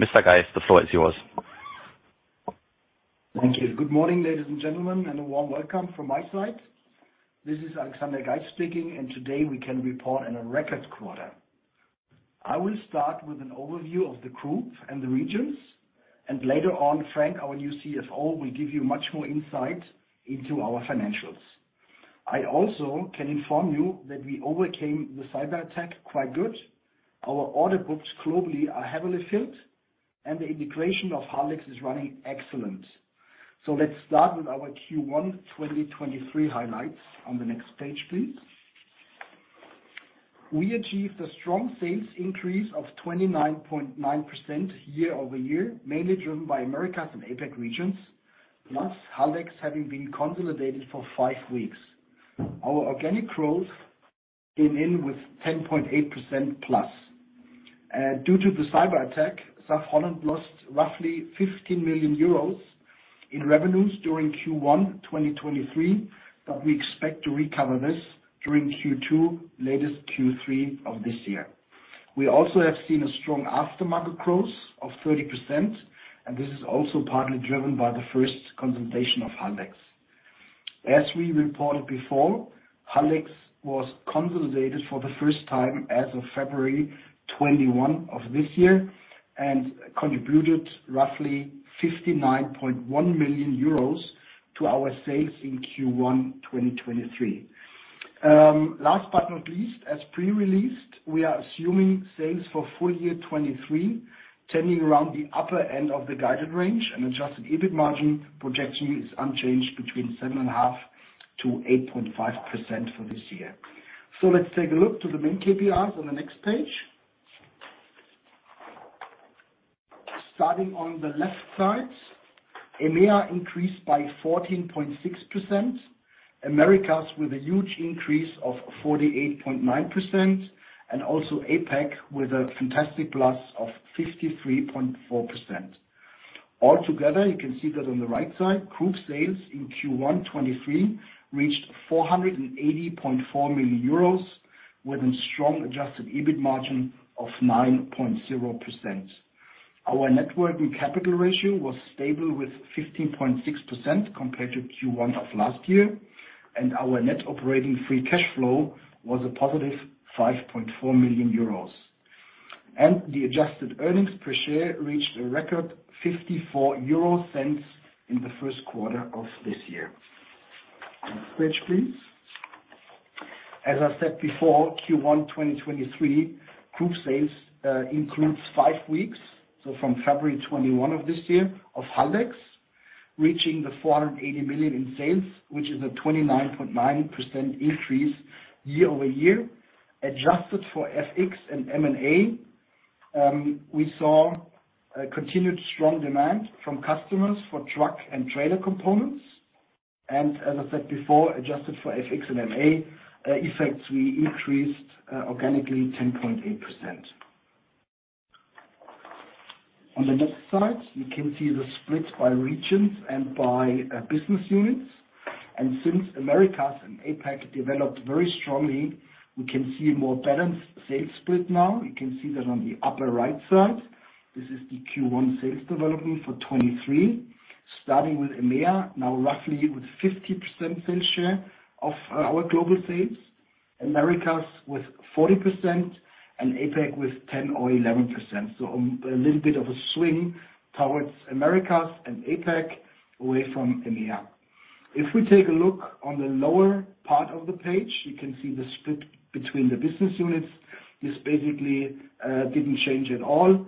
Mr. Geis, the floor is yours. Thank you. Good morning, ladies and gentlemen, a warm welcome from my side. This is Alexander Geis speaking. Today we can report on a record quarter. I will start with an overview of the group and the regions. Later on, Frank, our new CFO, will give you much more insight into our financials. I also can inform you that we overcame the cyber attack quite good. Our order books globally are heavily filled. The integration of Haldex is running excellent. Let's start with our Q1 2023 highlights on the next page, please. We achieved a strong sales increase of 29.9% year-over-year, mainly driven by Americas and APAC regions, plus Haldex having been consolidated for five weeks. Our organic growth came in with 10.8%+. Due to the cyber attack, SAF-Holland lost roughly €15 million in revenues during Q1 2023, but we expect to recover this during Q2, latest Q3 of this year. We also have seen a strong aftermarket growth of 30%, and this is also partly driven by the first consolidation of Haldex. As we reported before, Haldex was consolidated for the first time as of February 21 of this year, and contributed roughly 59.1 million euros to our sales in Q1 2023. Last but not least, as pre-released, we are assuming sales for full year 2023, turning around the upper end of the guided range, and adjusted EBIT margin projection is unchanged between 7.5%-8.5% for this year. Let's take a look to the main KPIs on the next page. Starting on the left side, EMEA increased by 14.6%, Americas with a huge increase of 48.9%, APAC with a fantastic plus of 53.4%. Altogether, you can see that on the right side, group sales in Q1 2023 reached €480.4 million, with a strong adjusted EBIT margin of 9.0%. Our net working capital ratio was stable with 15.6% compared to Q1 of last year, our net operating free cash flow was a positive €5.4 million. The adjusted earnings per share reached a record 0.54 in the first quarter of this year. Next page, please. As I said before, Q1 2023, group sales includes five weeks, so from February 21 of this year, of Haldex, reaching €480 million in sales, which is a 29.9% increase year-over-year, adjusted for FX and M&A. We saw a continued strong demand from customers for truck and trailer components, as I said before, adjusted for FX and M&A effects, we increased organically 10.8%. On the next slide, you can see the splits by regions and by business units. Since Americas and APAC developed very strongly, we can see a more balanced sales split now. You can see that on the upper right side, this is the Q1 sales development for 2023. Starting with EMEA, now roughly with 50% sales share of our global sales, Americas with 40%, and APAC with 10% or 11%. A little bit of a swing towards Americas and APAC away from EMEA. If we take a look on the lower part of the page, you can see the split between the business units. This basically didn't change at all,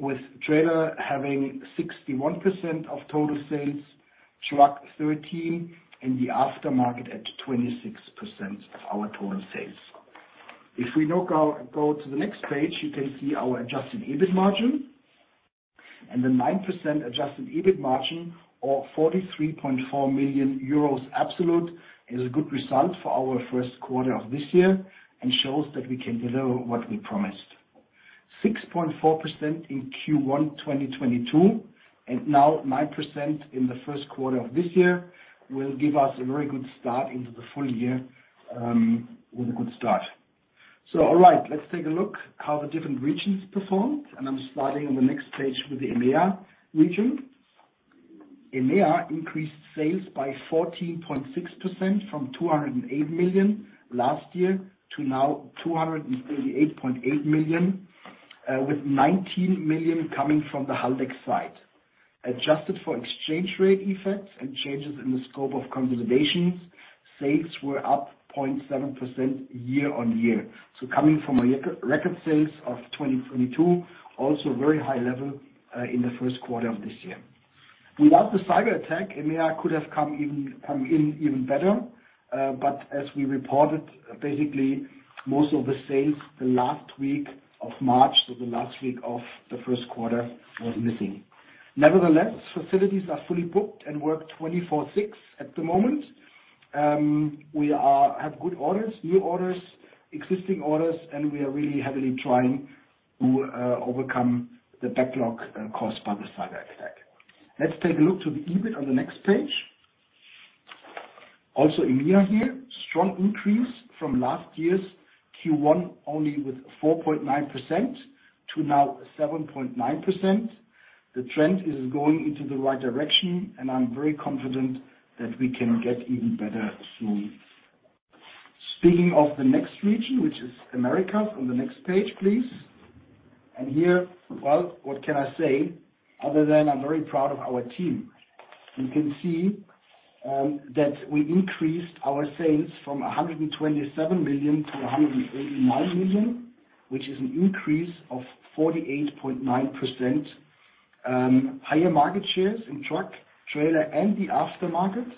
with trailer having 61% of total sales, truck, 13, and the aftermarket at 26% of our total sales. If we now go to the next page, you can see our adjusted EBIT margin, and the 9% adjusted EBIT margin, or €43.4 million absolute, is a good result for our first quarter of this year and shows that we can deliver what we promised. 6.4% in Q1 2022, and now 9% in the first quarter of this year, will give us a very good start into the full year, with a good start. All right, let's take a look how the different regions performed, and I'm starting on the next page with the EMEA region. EMEA increased sales by 14.6% from €208 million last year to now €238.8 million, with €19 million coming from the Haldex side. Adjusted for exchange rate effects and changes in the scope of consolidations, sales were up 0.7% year-on-year. Coming from a record sales of 2022, also very high level, in the first quarter of this year. Without the cyber attack, EMEA could have come in even better. As we reported, basically, most of the sales the last week of March, so the last week of the first quarter, was missing. Nevertheless, facilities are fully booked and work 24/6 at the moment. We have good orders, new orders, existing orders, and we are really heavily trying to overcome the backlog caused by the cyber attack. Let's take a look to the EBIT on the next page. EMEA here, strong increase from last year's Q1, only with 4.9% to now 7.9%. The trend is going into the right direction, and I'm very confident that we can get even better soon. Speaking of the next region, which is Americas, on the next page, please. Well, what can I say, other than I'm very proud of our team? You can see that we increased our sales from $127 million - $189 million, which is an increase of 48.9%. Higher market shares in truck, trailer, and the aftermarket,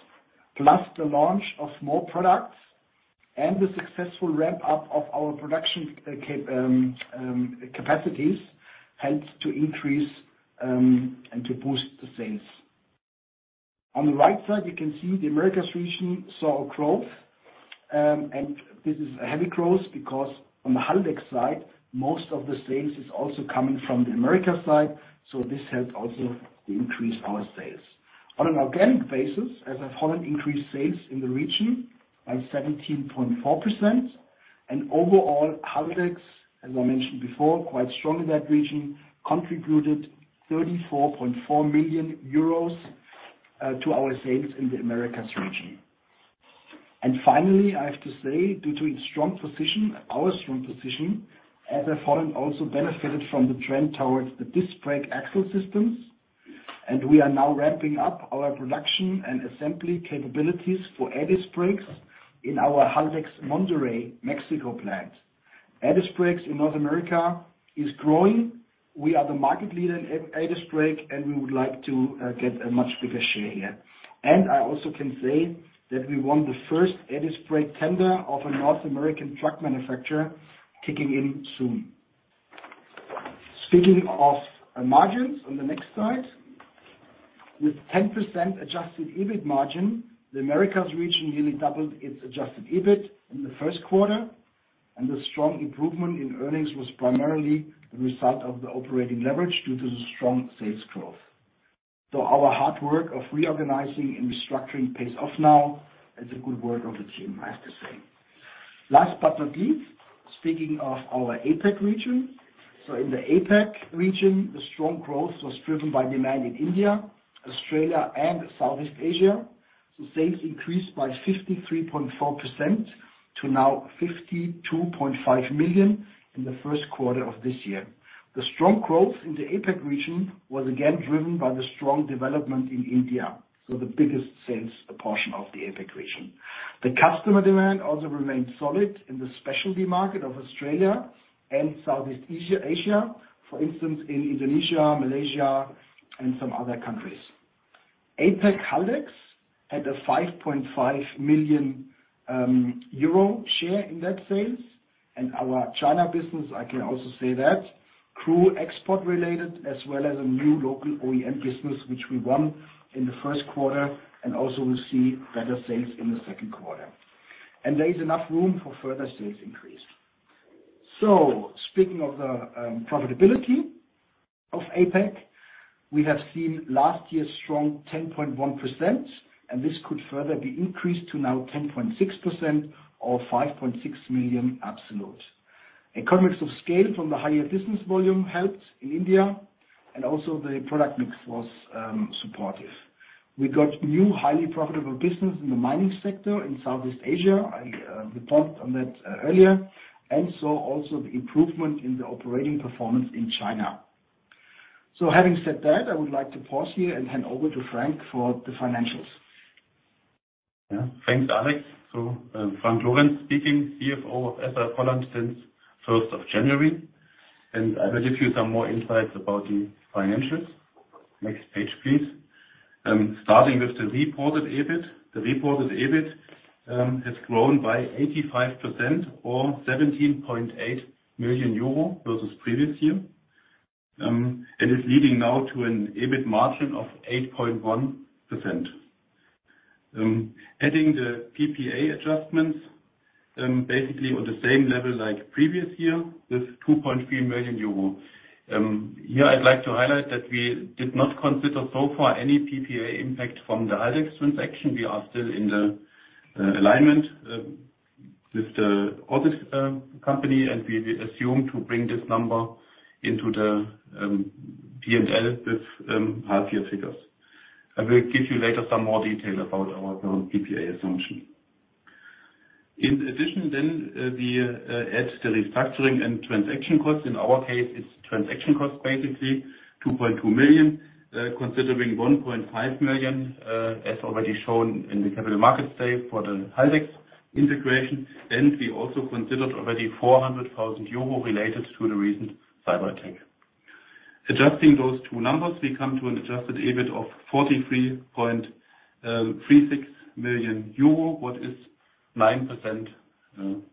plus the launch of more products and the successful ramp-up of our production capacities, helped to increase and to boost the sales. On the right side, you can see the Americas region saw a growth, and this is a heavy growth because on the Haldex side, most of the sales is also coming from the Americas side, so this helps also to increase our sales. On an organic basis, as I followed increased sales in the region by 17.4% and overall, Haldex, as I mentioned before, quite strong in that region, contributed €34.4 million to our sales in the Americas region. Finally, I have to say, due to its strong position, our strong position, as I followed, also benefited from the trend towards the disc brake axle systems, and we are now ramping up our production and assembly capabilities for air disk brakes in our Haldex Monterrey, Mexico plant. air disk brakes in North America is growing. We are the market leader in air disk brake, and we would like to get a much bigger share here. I also can say that we won the first air disk brake tender of a North American truck manufacturer, kicking in soon. Speaking of margins on the next slide. With 10% adjusted EBIT margin, the Americas region nearly doubled its adjusted EBIT in the first quarter. The strong improvement in earnings was primarily the result of the operating leverage due to the strong sales growth. Our hard work of reorganizing and restructuring pays off now. It's a good work of the team, I have to say. Last but not least, speaking of our APAC region. In the APAC region, the strong growth was driven by demand in India, Australia, and Southeast Asia. Sales increased by 53.4% to now €52.5 million in the first quarter of this year. The strong growth in the APAC region was again driven by the strong development in India, the biggest sales portion of the APAC region. The customer demand also remained solid in the specialty market of Australia and Southeast Asia, for instance, in Indonesia, Malaysia, and some other countries. APAC Haldex had a €5.5 million share in that sales, and our China business, I can also say that, through export related as well as a new local OEM business, which we won in the first quarter, and also will see better sales in the second quarter. There is enough room for further sales increase. Speaking of the profitability of APAC, we have seen last year's strong 10.1%, and this could further be increased to now 10.6% or €5.6 million absolute. Economies of scale from the higher business volume helped in India, and also the product mix was supportive. We got new, highly profitable business in the mining sector in Southeast Asia. I reported on that earlier, also the improvement in the operating performance in China. Having said that, I would like to pause here and hand over to Frank for the financials. Yeah. Thanks, Alex. Frank Lorenz-Dietz speaking, CFO of SAF-Holland SE since 1st of January, and I will give you some more insights about the financials. Next page, please. Starting with the reported EBIT. The reported EBIT has grown by 85% or €17.8 million versus previous year, and is leading now to an EBIT margin of 8.1%. Adding the PPA adjustments, basically on the same level like previous year, with €2.3 million. Here, I'd like to highlight that we did not consider so far any PPA impact from the Haldex transaction. We are still in the alignment with the audit company, and we assume to bring this number into the PNL with half-year figures. I will give you later some more detail about our PPA assumption. We add the restructuring and transaction costs. In our case, it's transaction costs, basically €2.2 million, considering €1.5 million as already shown in the capital market sale for the Haldex integration. We also considered already €400,000 related to the recent cyber attack. Adjusting those two numbers, we come to an adjusted EBIT of €43.36 million, what is 9%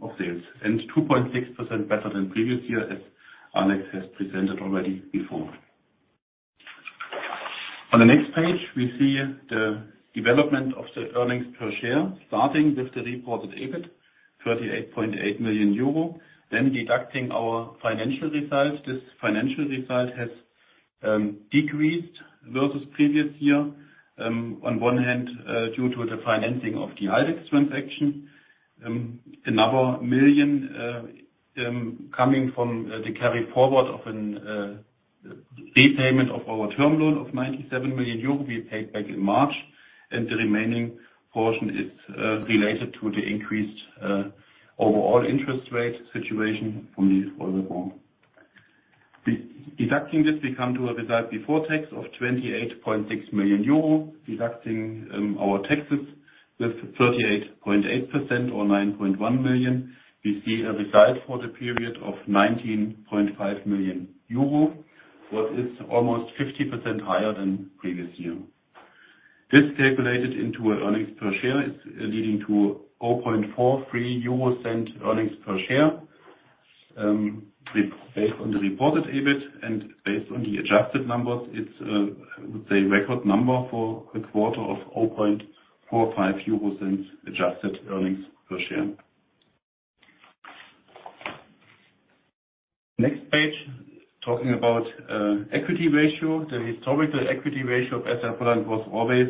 of sales, and 2.6% better than previous year, as Alex has presented already before. On the next page, we see the development of the earnings per share, starting with the reported EBIT, €38.8 million, deducting our financial results. This financial result decreased versus previous year. On one hand, due to the financing of the Haldex transaction. Another million coming from the carry forward of a repayment of our term loan of €97 million we paid back in March, and the remaining portion is related to the increased overall interest rate situation from the further loan. Deducting this, we come to a result before tax of €28.6 million, deducting our taxes with 38.8%, or €9.1 million. We see a result for the period of €19.5 million, what is almost 50% higher than previous year. This calculated into a earnings per share, is leading to €0.43 earnings per share. Based on the reported EBIT and based on the adjusted numbers, it's, I would say, record number for the quarter of €0.0045 adjusted earnings per share. Next page, talking about equity ratio. The historical equity ratio of SAF-Holland was always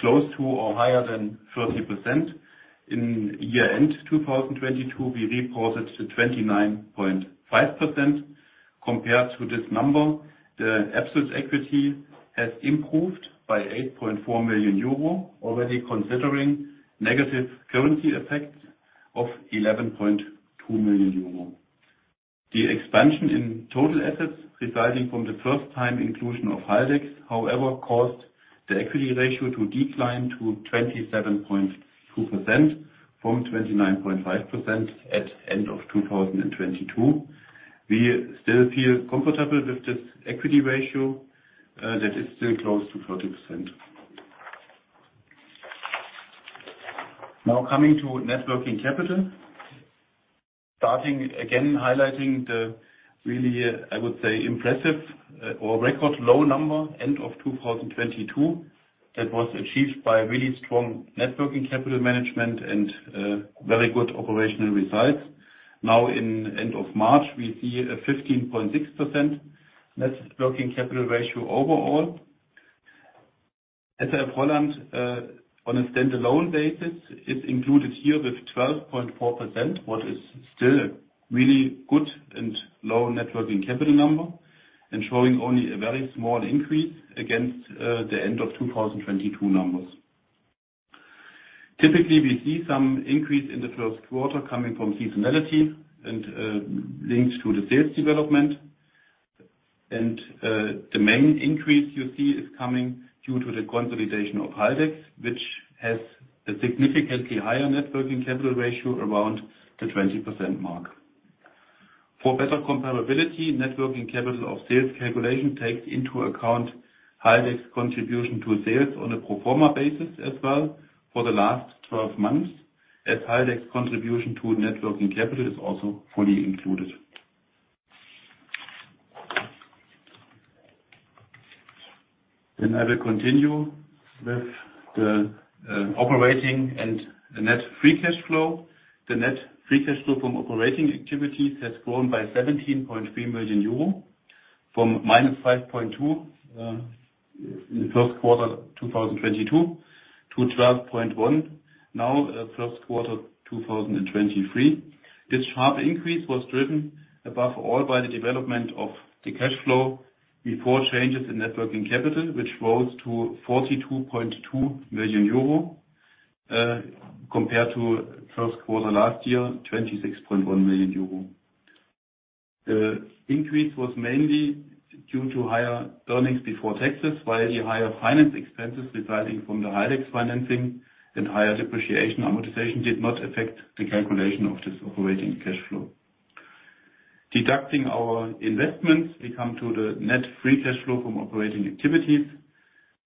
close to or higher than 30%. In year-end 2022, we reported to 29.5%. Compared to this number, the absolute equity has improved by €8.4 million, already considering negative currency effects of €11.2 million. The expansion in total assets resulting from the first time inclusion of Haldex, however, caused the equity ratio to decline to 27.2% from 29.5% at end of 2022. We still feel comfortable with this equity ratio that is still close to 30%. Now, coming to net working capital. Starting, again, highlighting the really, I would say, impressive or record low number, end of 2022, that was achieved by really strong net working capital management and very good operational results. Now, in end of March, we see a 15.6% net working capital ratio overall. SAF-Holland, on a standalone basis, is included here with 12.4%, what is still a really good and low net working capital number, and showing only a very small increase against the end of 2022 numbers. Typically, we see some increase in the first quarter coming from seasonality and linked to the sales development. The main increase you see is coming due to the consolidation of Haldex, which has a significantly higher net working capital ratio around the 20% mark. For better comparability, net working capital of sales calculation takes into account Haldex contribution to sales on a pro forma basis as well for the last 12 months, as Haldex contribution to net working capital is also fully included. I will continue with the operating and the net free cash flow. The net free cash flow from operating activities has grown by €17.3 million, from - €5.2 in the Q1 2022, to €12.1 now, Q1 2023. This sharp increase was driven above all by the development of the cash flow before changes in net working capital, which rose to €42.2 million, compared to first quarter last year, €26.1 million. The increase was mainly due to higher earnings before taxes, while the higher finance expenses resulting from the Haldex financing and higher depreciation amortization did not affect the calculation of this operating cash flow. Deducting our investments, we come to the net free cash flow from operating activities.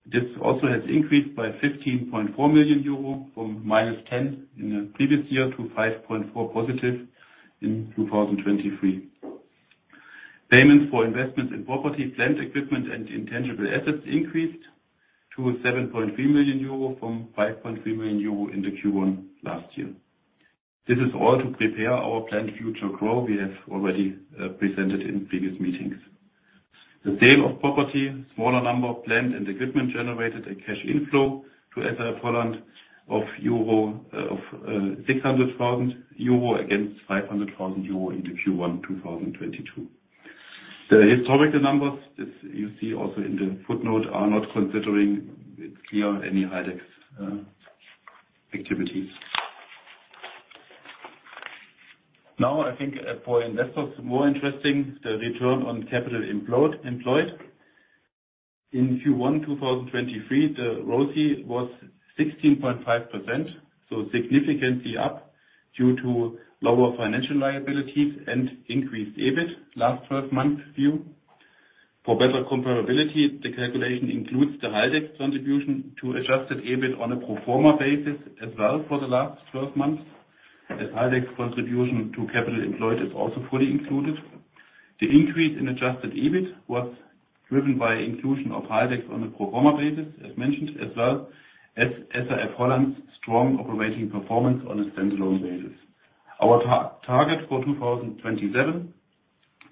This also has increased by €15.4 million, from €-10 in the previous year to €5.4 positive in 2023. Payments for investments in property, plant, equipment, and intangible assets increased to €7.3 million from €5.3 million in the Q1 last year. This is all to prepare our planned future growth we have already presented in previous meetings. The sale of property, smaller number of plant and equipment, generated a cash inflow to SAF-Holland of €600,000 against €500,000 in the Q1 2022. The historical numbers, as you see also in the footnote, are not considering, it's clear, any Haldex activities. I think, for investors, more interesting, the return on capital employed. In Q1 2023, the ROCE was 16.5%, so significantly up due to lower financial liabilities and increased EBIT last twelve month view. For better comparability, the calculation includes the Haldex contribution to adjusted EBIT on a pro forma basis as well for the last twelve months, as Haldex contribution to capital employed is also fully included. The increase in adjusted EBIT was driven by inclusion of Haldex on a pro forma basis, as mentioned, as well as SAF-Holland's strong operating performance on a standalone basis. Our target for 2027,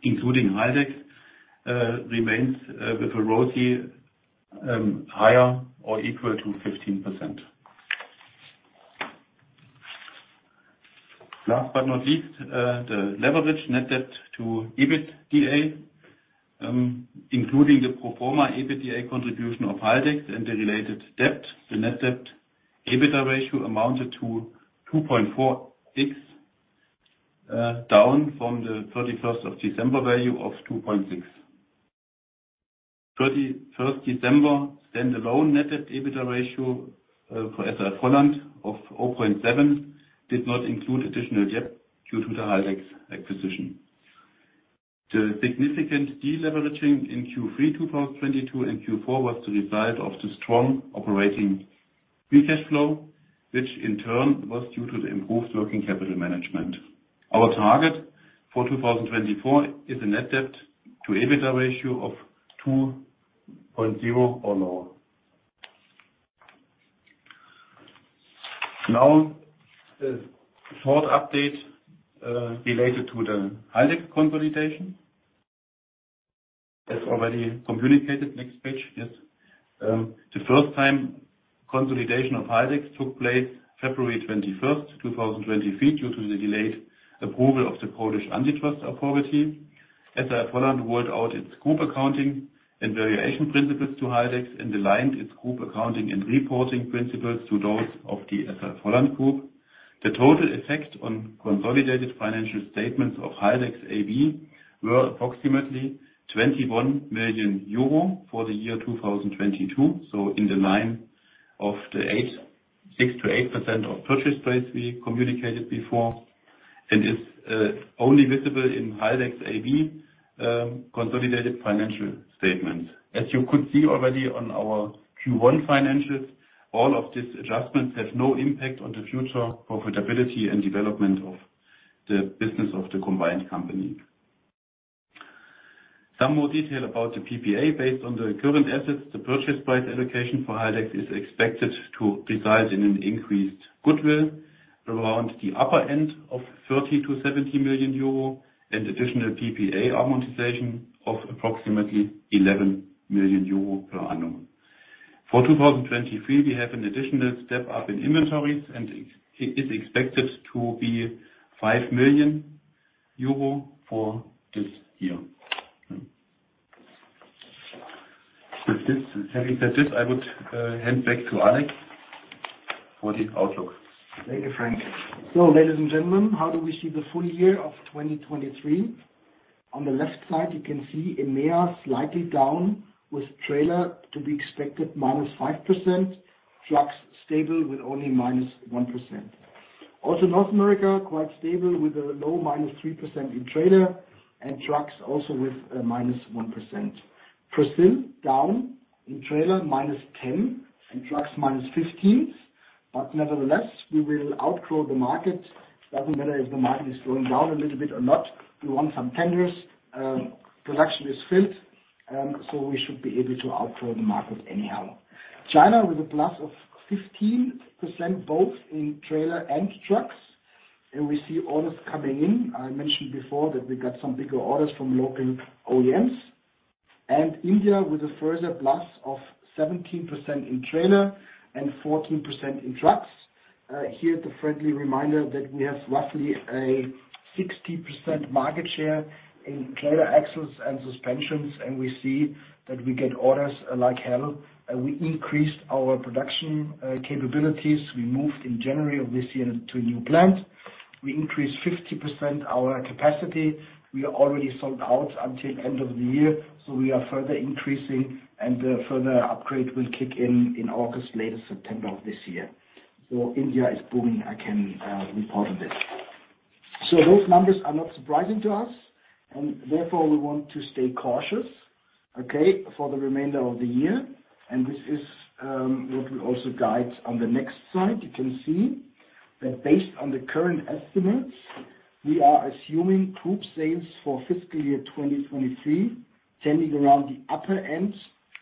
including Haldex, remains with a ROCE higher or equal to 15%. Last but not least, the leverage net debt to EBITDA, including the pro forma EBITDA contribution of Haldex and the related debt. The net debt EBITDA ratio amounted to 2.46, down from the 31st of December value of 2.6. 31st December standalone net debt EBITDA ratio for SAF-Holland of 0.7 did not include additional debt due to the Haldex acquisition. The significant deleveraging in Q3 2022 - Q4 was the result of the strong operating free cash flow, which in turn was due to the improved working capital management. Our target for 2024 is a net debt to EBITDA ratio of 2.0 or lower. Now, the fourth update related to the Haldex consolidation. As already communicated, next page, yes. The first time consolidation of Haldex took place February 21, 2023, due to the delayed approval of the Polish Office of Competition and Consumer Protection. SAF-Holland worked out its group accounting and valuation principles to Haldex, and aligned its group accounting and reporting principles to those of the SAF-Holland Group. The total effect on consolidated financial statements of Haldex AB were approximately €21 million for the year 2022. In the line of the 6%-8% of purchase price we communicated before, and it's only visible in Haldex AB consolidated financial statements. As you could see already on our Q1 financials, all of these adjustments have no impact on the future profitability and development of the business of the combined company. Some more detail about the PPA. Based on the current assets, the purchase price allocation for Haldex is expected to result in an increased goodwill around the upper end of €30 million-€70 million, and additional PPA amortization of approximately €11 million per annum. For 2023, we have an additional step up in inventories, and it is expected to be €5 million for this year. With this, having said this, I would hand back to Alex for the outlook. Thank you, Frank. Ladies and gentlemen, how do we see the full year of 2023? On the left side, you can see EMEA slightly down, with trailer to be expected -5%, trucks stable with only -1%. North America, quite stable, with a low -3% in trailer and trucks also with -1%. Brazil, down in trailer, -10%, and trucks, -15%. Nevertheless, we will outgrow the market. Doesn't matter if the market is going down a little bit or not, we want some tenders. Production is filled, we should be able to outgrow the market anyhow. China with a +15%, both in trailer and trucks, and we see orders coming in. I mentioned before that we got some bigger orders from local OEMs. India with a further plus of 17% in trailer and 14% in trucks. Here, the friendly reminder that we have roughly a 60% market share in trailer axles and suspensions, and we see that we get orders like hell, and we increased our production capabilities. We moved in January of this year to a new plant. We increased 50% our capacity. We are already sold out until end of the year, so we are further increasing, and the further upgrade will kick in August, later September of this year. India is booming, I can report on this. Those numbers are not surprising to us, and therefore, we want to stay cautious, okay, for the remainder of the year. This is what we also guide on the next slide. You can see that based on the current estimates, we are assuming group sales for fiscal year 2023, tending around the upper end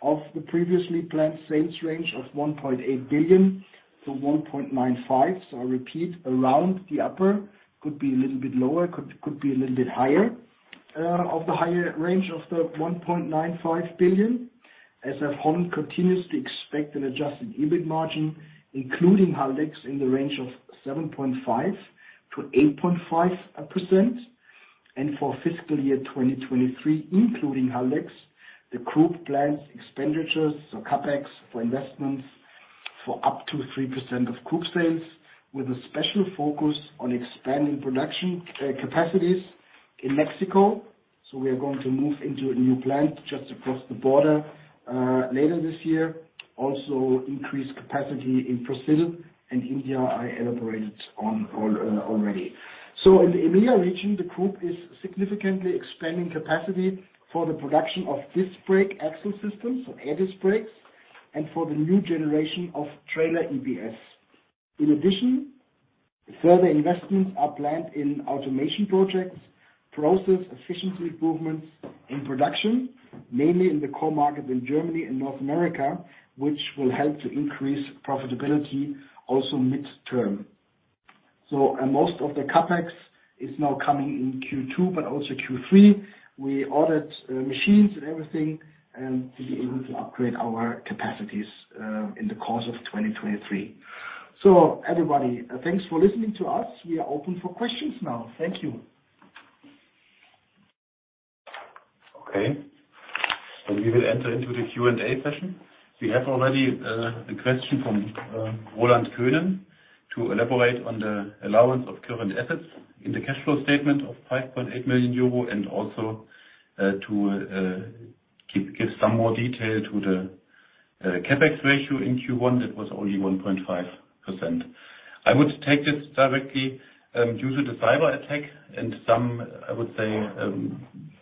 of the previously planned sales range of €1.8 billion-€1.95 billion. I repeat, around the upper, could be a little bit lower, could be a little bit higher, of the higher range of the 1.95 billion. SAF-Holland continues to expect an adjusted EBIT margin, including Haldex, in the range of 7.5%-8.5%. For fiscal year 2023, including Haldex, the group plans expenditures or CapEx for investments for up to 3% of group sales, with a special focus on expanding production capacities in Mexico. We are going to move into a new plant just across the border later this year. Increase capacity in Brazil and India, I elaborated on already. In the EMEA region, the group is significantly expanding capacity for the production of disc brake axle systems, so air disc brakes, and for the new generation of trailer EBS. In addition, further investments are planned in automation projects, process efficiency improvements in production, mainly in the core market in Germany and North America, which will help to increase profitability also midterm. Most of the CapEx is now coming in Q2, but also Q3. We ordered machines and everything, and to be able to upgrade our capacities in the course of 2023. Everybody, thanks for listening to us. We are open for questions now. Thank you. Okay, we will enter into the Q&A session. We have already a question from Roland Könen, to elaborate on the allowance of current assets in the cash flow statement of €5.8 million, also to give some more detail to the CapEx ratio in Q1, that was only 1.5%. I would take this directly, due to the cyberattack and some, I would say,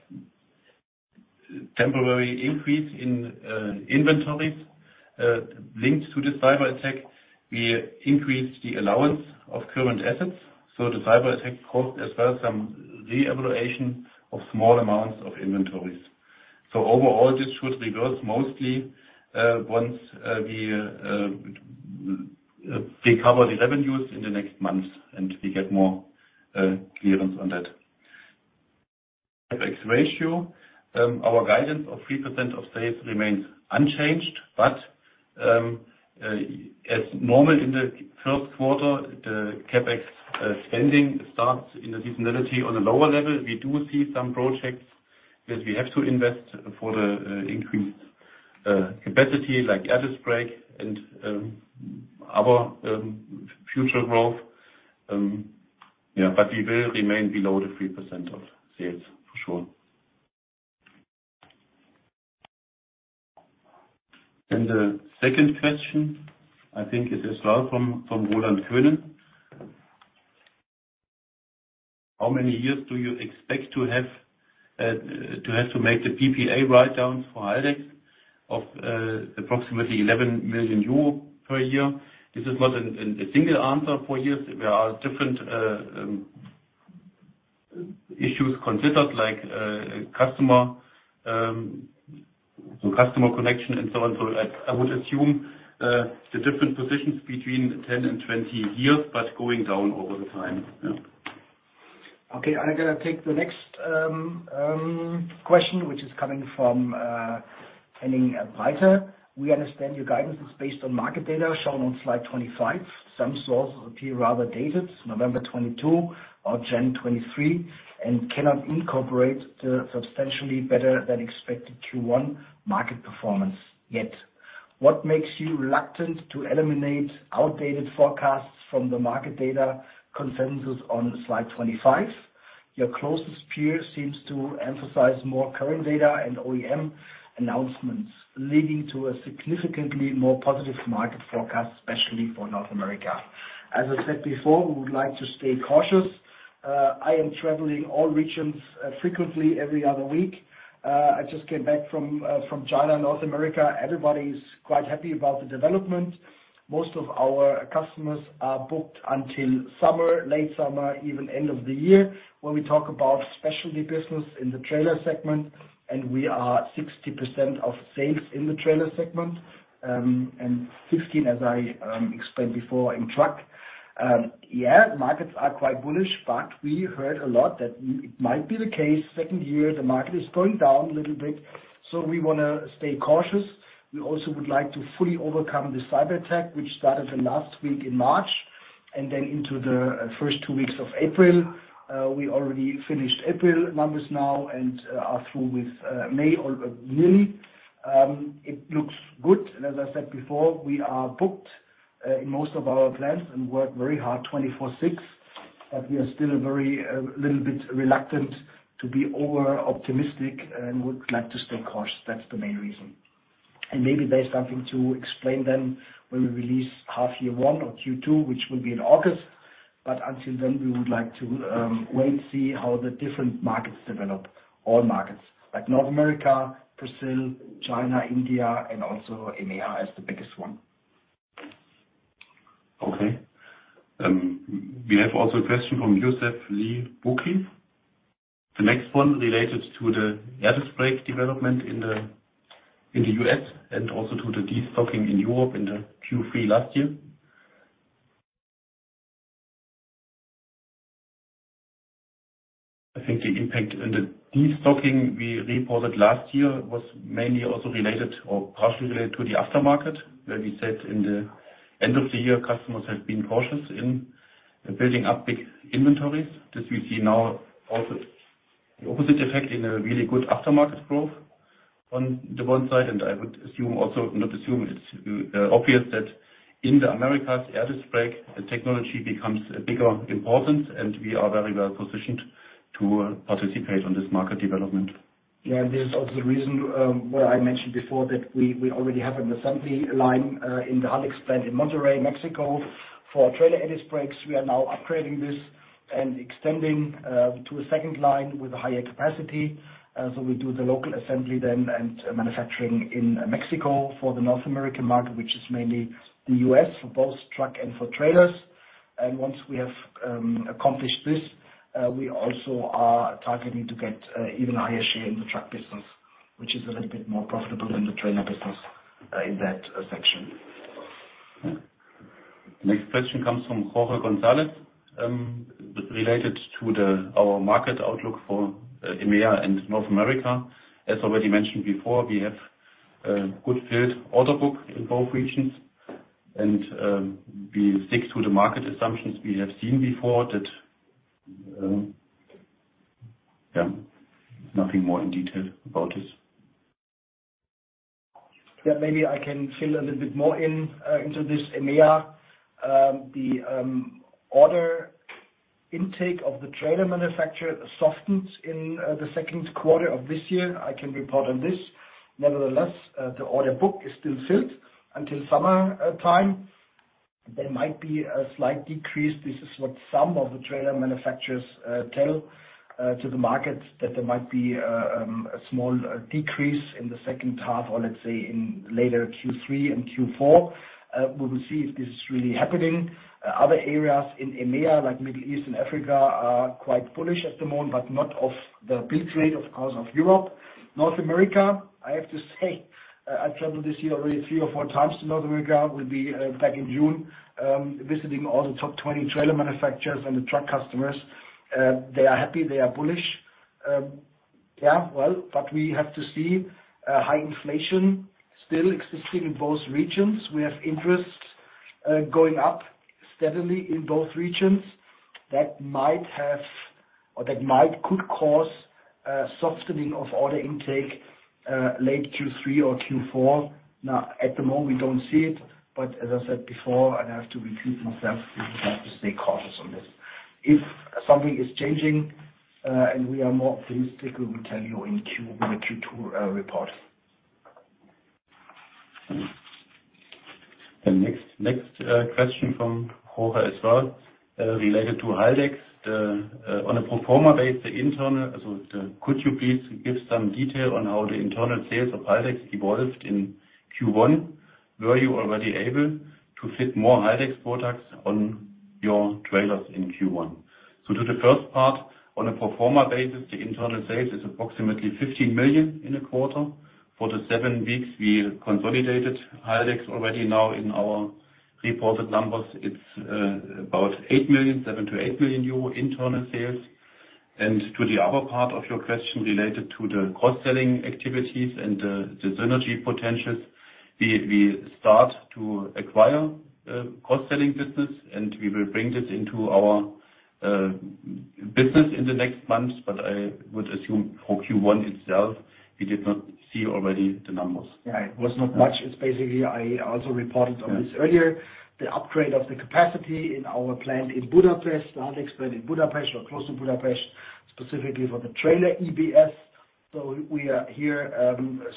temporary increase in inventories, linked to the cyberattack, we increased the allowance of current assets, the cyberattack caused as well some reevaluation of small amounts of inventories. Overall, this should reverse mostly once we recover the revenues in the next months, we get more clearance on that. CapEx ratio, our guidance of 3% of sales remains unchanged. As normal in the first quarter, the CapEx spending starts in the seasonality on a lower level. We do see some projects that we have to invest for the increased capacity, like air disc brake and other future growth. Yeah, we will remain below the 3% of sales, for sure. The second question, I think is as well from Roland Könen. How many years do you expect to have to make the PPA write-down for Haldex of approximately 11 million euro per year? This is not a single answer for years. There are different issues considered, like customer connection and so on. I would assume the different positions between 10 and 20 years, but going down over the time. Yeah. I'm gonna take the next question, which is coming from Henning Reuter. We understand your guidance is based on market data shown on slide 25. Some sources appear rather dated, November 2022 or January 2023, cannot incorporate the substantially better than expected Q1 market performance yet. What makes you reluctant to eliminate outdated forecasts from the market data consensus on slide 25? Your closest peer seems to emphasize more current data and OEM announcements, leading to a significantly more positive market forecast, especially for North America. As I said before, we would like to stay cautious. I am traveling all regions, frequently every other week. I just came back from China and North America. Everybody's quite happy about the development. Most of our customers are booked until summer, late summer, even end of the year, when we talk about specialty business in the trailer segment, and we are 60% of sales in the trailer segment, and 16%, as I explained before, in truck. Yeah, markets are quite bullish, but we heard a lot that it might be the case, second year, the market is going down a little bit. We wanna stay cautious. We also would like to fully overcome the cyberattack, which started the last week in March, and then into the first 2 weeks of April. We already finished April numbers now and are through with May or nearly. It looks good. As I said before, we are booked, in most of our plants and work very hard, 24/6, but we are still a little bit reluctant to be over-optimistic and would like to stay cautious. That's the main reason. Maybe there's something to explain then when we release half year 1 or Q2, which will be in August, but until then, we would like to wait, see how the different markets develop. All markets, like North America, Brazil, China, India, and also EMEA as the biggest one. Okay. We have also a question from Ines Bukinac. The next one related to the air disc brake development in the U.S. and also to the destocking in Europe in the Q3 last year. I think the impact and the destocking we reported last year was mainly also related or partially related to the aftermarket, where we said in the end of the year, customers have been cautious in building up big inventories. This we see now also the opposite effect in a really good aftermarket growth on the one side, and I would assume also, not assume, it's obvious that in the Americas, air disc brake technology becomes a bigger importance, and we are very well positioned to participate on this market development. Yeah, this is also the reason why I mentioned before that we already have an assembly line in the Haldex plant in Monterrey, Mexico, for trailer air disc brakes. We are now upgrading this and extending to a second line with a higher capacity. We do the local assembly then and manufacturing in Mexico for the North American market, which is mainly the U.S., for both truck and for trailers. Once we have accomplished this, we also are targeting to get even higher share in the truck business, which is a little bit more profitable than the trailer business in that section. Next question comes from Jorge Gonzalez, related to the, our market outlook for EMEA and North America. As already mentioned before, we have good filled order book in both regions, and we stick to the market assumptions we have seen before that, yeah, nothing more in detail about it. Maybe I can fill a little bit more in into this EMEA. The order intake of the trailer manufacturer softens in the second quarter of this year. I can report on this. Nevertheless, the order book is still filled until summer time. There might be a slight decrease. This is what some of the trailer manufacturers tell to the market, that there might be a small decrease in the second half, or let's say, in later Q3 - Q4. We will see if this is really happening. Other areas in EMEA, like Middle East and Africa, are quite bullish at the moment, but not of the build rate, of course, of Europe. North America, I have to say, I traveled this year already 3 or 4 times to North America, will be back in June, visiting all the top 20 trailer manufacturers and the truck customers. They are happy, they are bullish. Yeah, well, we have to see, high inflation still existing in both regions. We have interests, going up steadily in both regions. That might have, or that might, could cause, softening of order intake, late Q3 or Q4. At the moment, we don't see it, but as I said before, and I have to repeat myself, we have to stay cautious on this. If something is changing, and we are more optimistic, we will tell you in the Q2 report. The next question from Jorge as well, related to Haldex. On a pro forma basis, could you please give some detail on how the internal sales of Haldex evolved in Q1? Were you already able to fit more Haldex products on your trailers in Q1? To the first part, on a pro forma basis, the internal sales is approximately €15 million in a quarter. For the 7 weeks, we consolidated Haldex already now in our reported numbers. It's about €8 million, €7million-€8 million internal sales. To the other part of your question, related to the cross-selling activities and the synergy potentials, we start to acquire cross-selling business, and we will bring this into our business in the next months. I would assume for Q1 itself, we did not see already the numbers. It was not much. It's basically, I also reported on this earlier, the upgrade of the capacity in our plant in Budapest, the Haldex plant in Budapest or close to Budapest, specifically for the Trailer EBS. We are here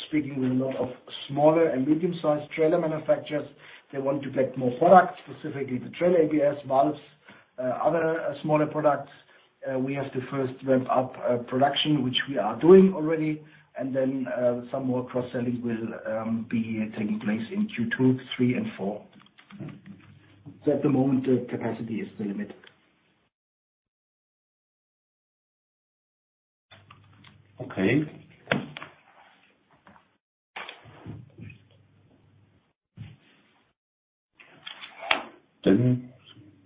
speaking with a lot of smaller and medium-sized trailer manufacturers. They want to get more products, specifically the Trailer EBS, valves, other smaller products. We have to first ramp up production, which we are doing already, and then some more cross-selling will be taking place in Q2, three, and four. At the moment, the capacity is the limit. Okay.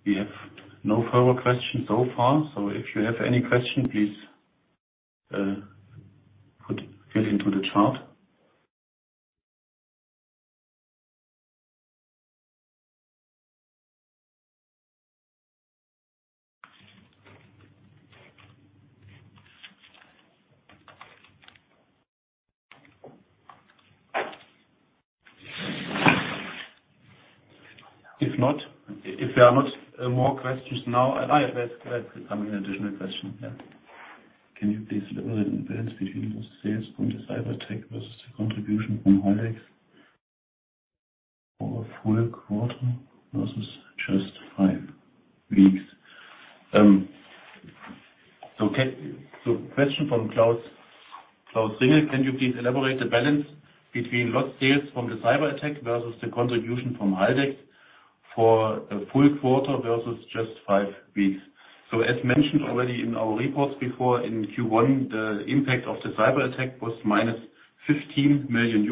We have no further questions so far, so if you have any question, please, get into the chat. If not, if there are not more questions now, I have there's coming an additional question, yeah. Can you please elaborate the balance between the sales from the cyber attack versus the contribution from Haldex for a full quarter versus just five weeks? Question from Klaus Ringel, can you please elaborate the balance between lost sales from the cyber attack versus the contribution from Haldex for a full quarter versus just five weeks? As mentioned already in our reports before, in Q1, the impact of the cyber attack was - €15 million.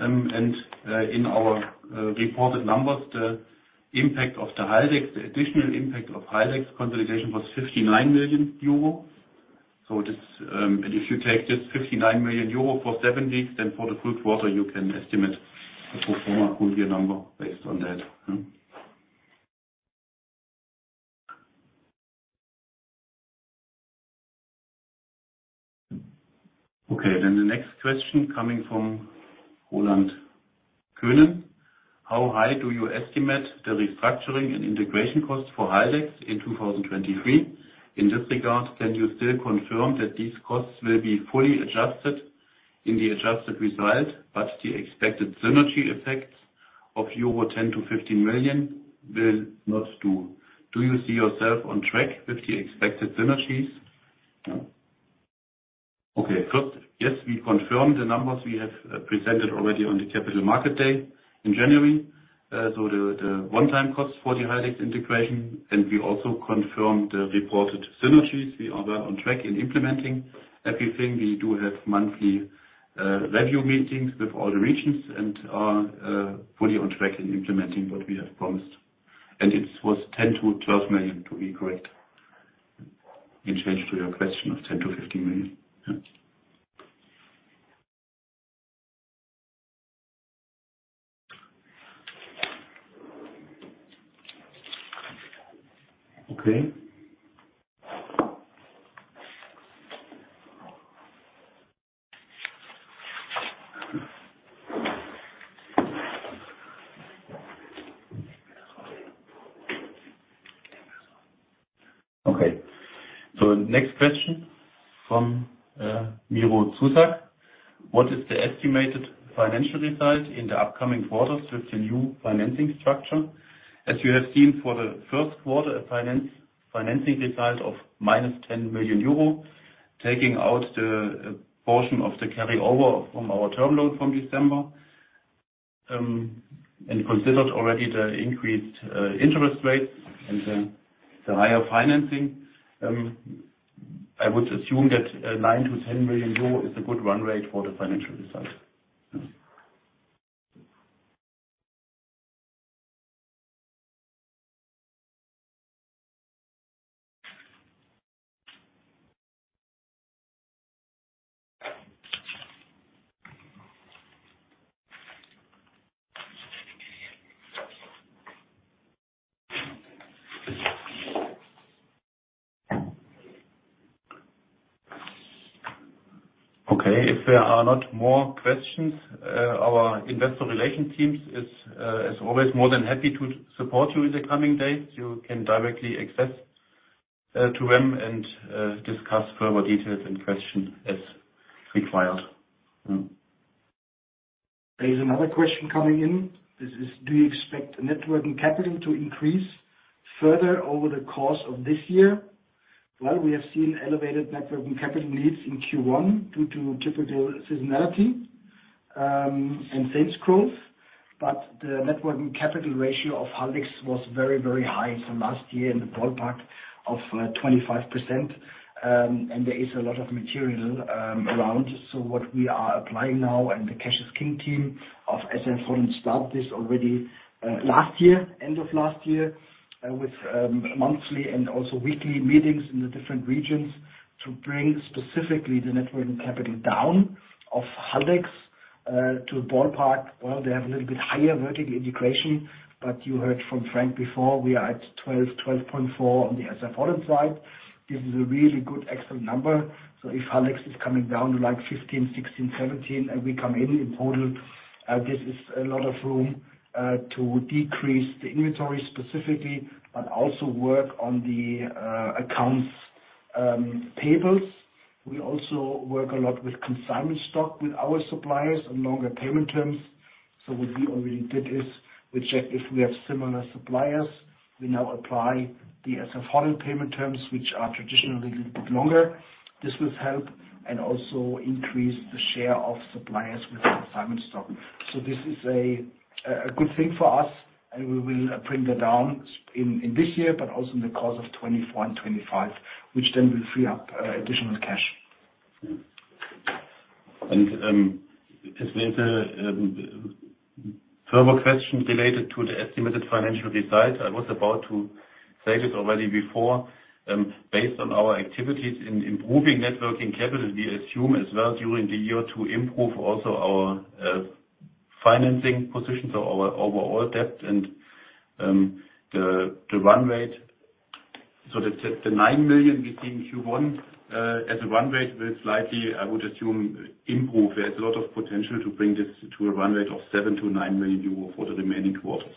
In our reported numbers, the impact of the Haldex, the additional impact of Haldex consolidation was €59 million. This, if you take this €59 million for seven weeks, then for the full quarter, you can estimate the pro forma full year number based on that. The next question coming from Roland Könen. How high do you estimate the restructuring and integration costs for Haldex in 2023? In this regard, can you still confirm that these costs will be fully adjusted in the adjusted result, but the expected synergy effects of €10 million-€15 million will not do. Do you see yourself on track with the expected synergies? First, yes, we confirm the numbers we have presented already on the Capital Markets Day in January. So the one-time cost for the Haldex integration, and we also confirmed the reported synergies. We are on track in implementing everything. We do have monthly review meetings with all the regions and are fully on track in implementing what we have promised. It was €10 million- €12 million, to be correct, in change to your question of €10 million- €15 million. Yeah. Okay. Next question from Fabio Hölscher. "What is the estimated financial result in the upcoming quarters with the new financing structure?" As you have seen for the Q1, a financing result of - €10 million, taking out the portion of the carryover from our term loan from December. And considered already the increased interest rates and the higher financing. I would assume that €9 million- €10 million is a good run rate for the financial result. If there are not more questions, our investor relations team is always more than happy to support you in the coming days. You can directly access, to them and, discuss further details and questions as required. There is another question coming in. This is: "Do you expect net working capital to increase further over the course of this year?" Well, we have seen elevated net working capital needs in Q1 due to typical seasonality and sales growth, but the net working capital ratio of Haldex was very high from last year in the ballpark of 25%. There is a lot of material around. What we are applying now, and the Cash is King team of SAF-Holland, start this already last year, end of last year, with monthly and also weekly meetings in the different regions to bring specifically the net working capital down of Haldex to ballpark. Well, they have a little bit higher vertical integration, you heard from Frank before, we are at 12.4% on the SAF-Holland side. This is a really good, excellent number. If Haldex is coming down to like 15, 16, 17, and we come in total, this is a lot of room to decrease the inventory specifically, but also work on the accounts payables. We also work a lot with consignment stock with our suppliers and longer payment terms. What we already did is, we check if we have similar suppliers. We now apply the SAF-Holland payment terms, which are traditionally a little bit longer. This will help and also increase the share of suppliers with consignment stock. This is a good thing for us, and we will bring that down in this year, but also in the course of 2024 and 2025, which then will free up additional cash. As there's a further question related to the estimated financial results, I was about to say this already before. Based on our activities in improving net working capital, we assume as well during the year to improve also our financing position, so our overall debt and the run rate. The €9 million we see in Q1 as a run rate, will slightly, I would assume, improve. There's a lot of potential to bring this to a run rate of €7 million- €9 million for the remaining quarters.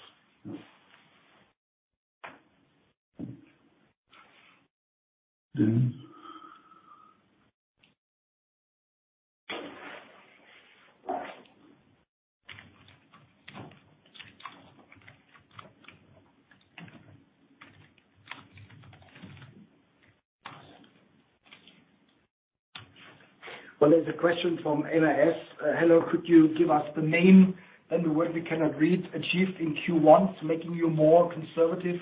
There's a question from NIS: "Hello, could you give us the name and the word we cannot read, achieved in Q1, making you more conservative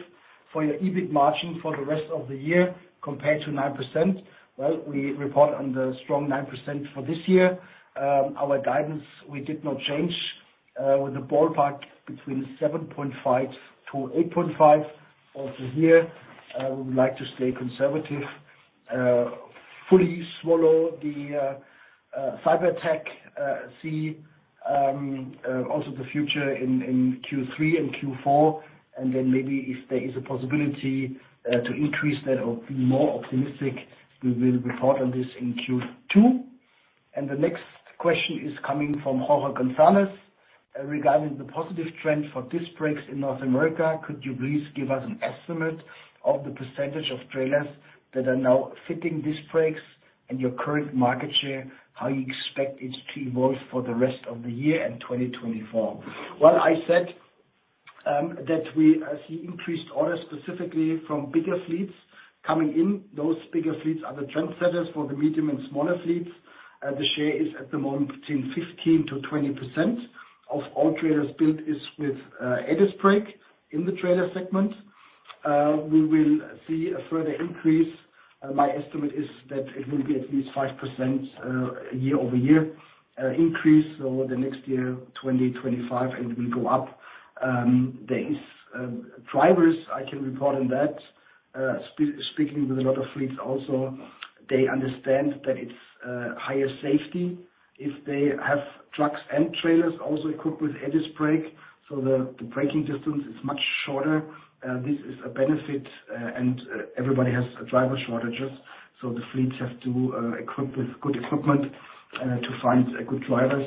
for your EBIT margin for the rest of the year, compared to 9%?" We report on the strong 9% for this year. Our guidance, we did not change, with the ballpark between 7.5%-8.5% of the year. We would like to stay conservative, fully swallow the cyberattack, see also the future in Q3 - Q4. Maybe if there is a possibility to increase that or be more optimistic, we will report on this in Q2. The next question is coming from Jorge Gonzalez: "Regarding the positive trend for disc brakes in North America, could you please give us an estimate of the percentage of trailers that are now fitting disc brakes and your current market share, how you expect it to evolve for the rest of the year and 2024?" Well, that we see increased orders specifically from bigger fleets coming in. Those bigger fleets are the trendsetters for the medium and smaller fleets. The share is at the moment between 15%-20% of all trailers built is with EBS brake in the trailer segment. We will see a further increase. My estimate is that it will be at least 5% year-over-year increase over the next year, 2025, and it will go up. There is drivers I can report on that, speaking with a lot of fleets also, they understand that it's higher safety if they have trucks and trailers also equipped with EBS brake, the braking distance is much shorter. This is a benefit, everybody has driver shortages, the fleets have to equip with good equipment to find good drivers,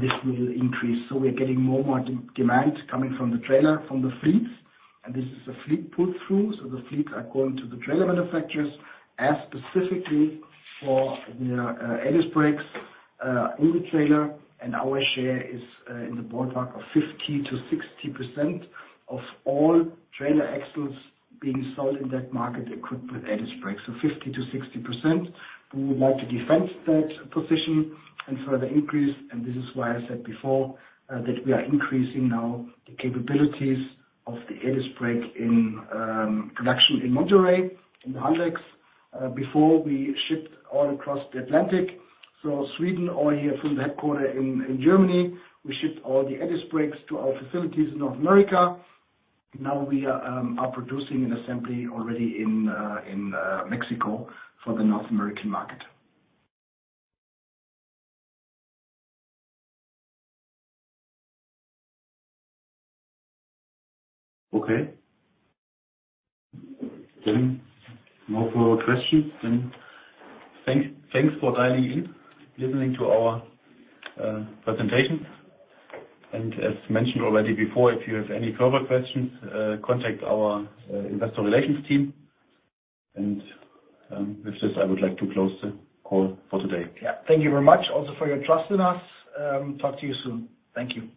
this will increase. We're getting more and more demand coming from the trailer, from the fleets, and this is a fleet pull-through. The fleets are going to the trailer manufacturers, ask specifically for the EBS brakes in the trailer, our share is in the ballpark of 50%-60% of all trailer axles being sold in that market equipped with EBS brake. 50%-60%. We would like to defend that position and further increase. This is why I said before that we are increasing now the capabilities of the EBS brake in production in Monterrey, in the Haldex. Before we shipped all across the Atlantic, Sweden or here from the headquarter in Germany, we shipped all the EBS brakes to our facilities in North America. Now we are producing and assembly already in Mexico for the North American market. Okay. Then no further questions, then. Thanks, thanks for dialing in, listening to our presentation. As mentioned already before, if you have any further questions, contact our investor relations team. With this, I would like to close the call for today. Yeah, thank you very much also for your trust in us. Talk to you soon. Thank you.